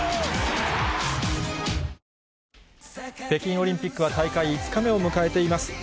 北京オリンピックは大会５日目を迎えています。